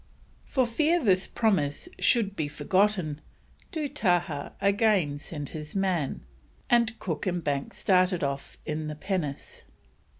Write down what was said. For fear this promise should be forgotten, Dootahah again sent his man, and Cook and Banks started off in the pinnace.